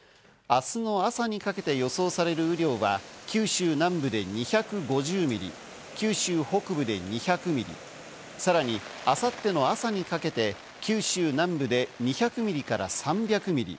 明日の朝にかけて予想される雨量は九州南部で２５０ミリ、九州北部で２００ミリ、さらに明後日の朝にかけて、九州南部で２００ミリから３００ミリ。